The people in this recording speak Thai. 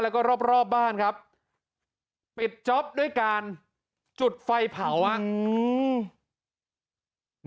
แล้วก็รอบรอบบ้านครับปิดจ๊อปด้วยการจุดไฟเผาอ่ะอืม